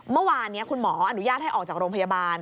เมื่อวานนี้คุณหมออนุญาตให้ออกจากโรงพยาบาล